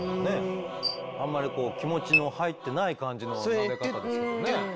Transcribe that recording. あんまり気持ちの入ってない感じのなで方ですけどね。